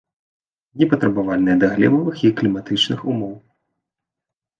Непатрабавальная да глебавых і кліматычных умоў.